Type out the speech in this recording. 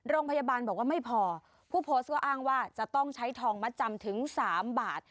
โรงพยาบาลบอกว่าไม่พอผู้โพสต์ก็อ้างว่าจะต้องใช้ทองมัดจำถึง๓บาท